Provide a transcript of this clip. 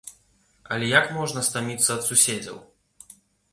Але як можна стаміцца ад суседзяў?